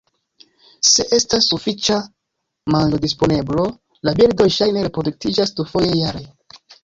Se estas sufiĉa manĝodisponeblo, la birdoj ŝajne reproduktiĝas dufoje jare.